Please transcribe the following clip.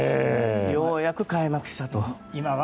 ようやく開幕したと。